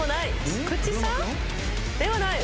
菊池さん？ではない。